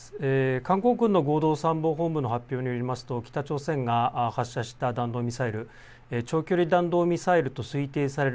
韓国軍の合同参謀本部の発表によりますと北朝鮮が発射した弾道ミサイル、長距離弾道ミサイルと推定される